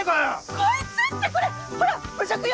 「こいつ」ってこれほら侮辱よ！